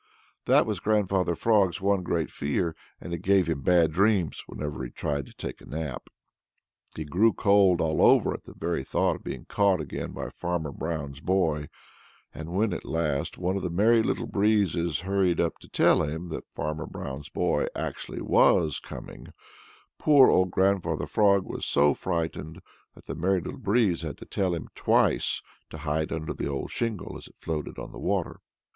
That was Grandfather Frog's one great fear, and it gave him bad dreams whenever he tried to take a nap. He grew cold all over at the very thought of being caught again by Farmer Brown's boy, and when at last one of the Merry Little Breezes hurried up to tell him that Farmer Brown's boy actually was coming, poor old Grandfather Frog was so frightened that the Merry Little Breeze had to tell him twice to hide under the old shingle as it floated on the water.